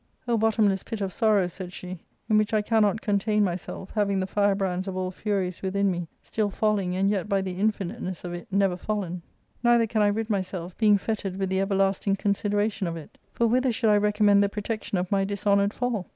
" O bottomless pit of sorrow," said she, " in which I cannot contain myself, having the firebrands of all furies within me, still falling, and yet by the infiniteness of it never fallen I Neither can I rid myself, being fettered with the everlasting consideration of it For whither should I reconunend the protection of my dishonoured fall